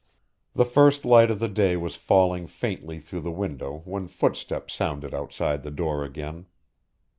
The first light of the day was falling faintly through the window when footsteps sounded outside the door again.